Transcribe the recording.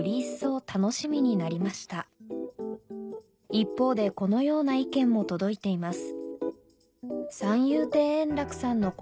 一方でこのような意見も届いています